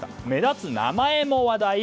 目立つ名前も話題。